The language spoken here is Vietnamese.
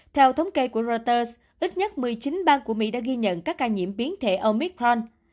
theo thống kê của reuters ít nhất một mươi chín bang của mỹ đã ghi nhận các ca nhiễm biến thể omicron